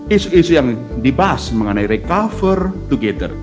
isu isu yang dibahas mengenai recover together